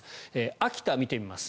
秋田を見てみます。